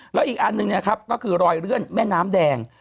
แล้วอีกอันหนึ่งนะครับก็คือรอยเลื่อนแม่น้ำแดง